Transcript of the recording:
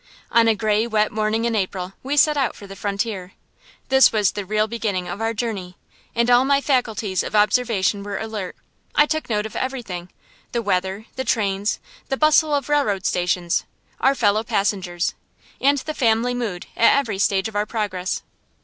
On a gray wet morning in early April we set out for the frontier. This was the real beginning of our journey, and all my faculties of observation were alert. I took note of everything, the weather, the trains, the bustle of railroad stations, our fellow passengers, and the family mood at every stage of our progress.